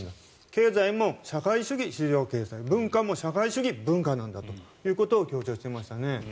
経済も社会主義市場経済文化も社会主義文化なんだということを強調していましたね。